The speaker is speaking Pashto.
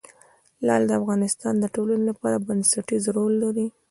لعل د افغانستان د ټولنې لپاره بنسټيز رول لري.